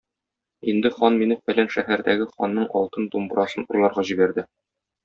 Инде хан мине фәлән шәһәрдәге ханның алтын думбрасын урларга җибәрде.